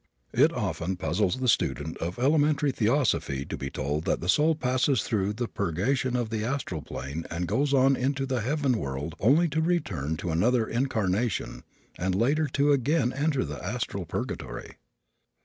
It often puzzles the student of elementary theosophy to be told that the soul passes through the purgation of the astral plane and goes on into the heaven world only to return to another incarnation and later to again enter the astral purgatory.